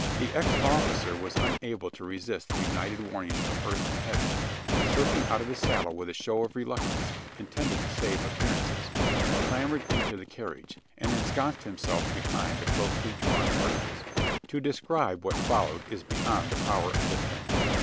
The ex officer was unable to resist the united warnings of earth and heaven; and, slipping out of his saddle with a show of reluctance intended to save appearances he clambered into the carriage, and ensconced himself behind the closely drawn curtains. To describe what followed is beyond the power of the pen.